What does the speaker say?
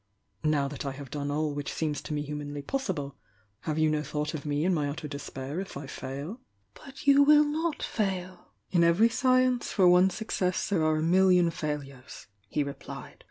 Now that I have done all which seems to me humanly possible, have you no thought of me and my utter despair if I fail?" "But you will not fail "_ "In every science, for one success there are a mil lion failures," he replied.